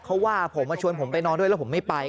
เขาว่าผมมาชวนผมไปนอนด้วยแล้วผมไม่ไป